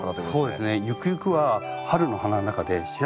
そうですね。